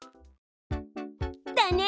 だね！